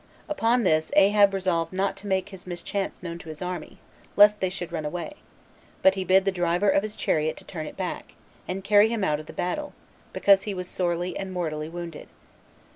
Upon this Ahab resolved not to make his mischance known to his army, lest they should run away; but he bid the driver of his chariot to turn it back, and carry him out of the battle, because he was sorely and mortally wounded.